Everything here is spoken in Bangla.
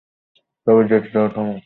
তাকে যেতে দাও থামো!